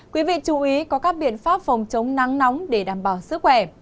quý vị chú ý có các biện pháp phòng chống nắng nóng để đảm bảo sức khỏe